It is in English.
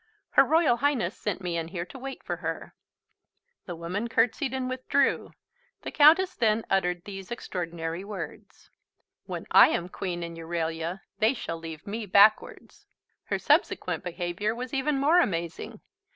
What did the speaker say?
"Her Royal Highness sent me in here to wait for her." The woman curtsied and withdrew. The Countess then uttered these extraordinary words: "When I am Queen in Euralia they shall leave me backwards!" Her subsequent behaviour was even more amazing.